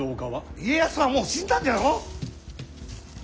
家康はもう死んだんじゃろう？